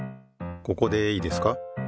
ここでいいですか。